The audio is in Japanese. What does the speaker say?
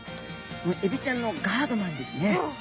もうエビちゃんのガードマンですね。